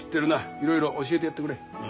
いろいろ教えてやってくれ。